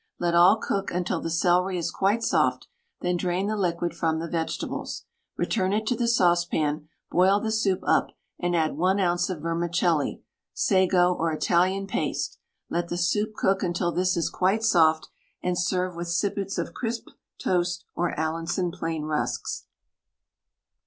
Let all cook until the celery is quite soft, then drain the liquid from the vegetables. Return it to the saucepan, boil the soup up, and add 1 oz. of vermicelli, sago, or Italian paste; let the soup cook until this is quite soft, and serve with sippets of crisp toast, or Allinson plain rusks.